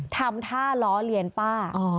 ทำท่าล้อเลียนป้า